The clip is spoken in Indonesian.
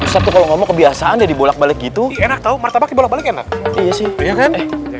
satu kalau ngomong kebiasaan jadi bolak balik itu enak tahu martabak bolak balik enak iya sih iya kan